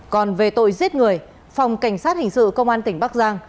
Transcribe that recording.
còn về tội giết người phòng cảnh sát hình sự công an tỉnh bắc giang